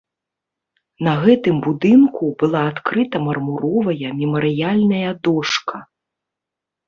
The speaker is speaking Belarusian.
На гэтым будынку была адкрыта мармуровая мемарыяльная дошка.